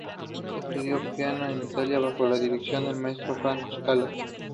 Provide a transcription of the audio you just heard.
Estudió piano en Italia bajo la dirección del maestro Franco Scala.